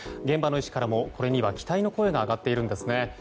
現場の医師からもこれには期待の声が上がっているんです。